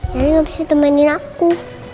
jadi gak bisa temenin aku